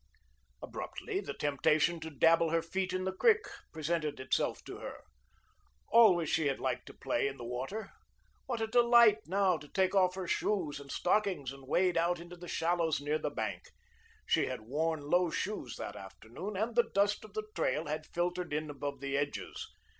Abruptly, the temptation to dabble her feet in the creek presented itself to her. Always she had liked to play in the water. What a delight now to take off her shoes and stockings and wade out into the shallows near the bank! She had worn low shoes that afternoon, and the dust of the trail had filtered in above the edges.